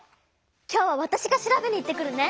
今日はわたしが調べに行ってくるね！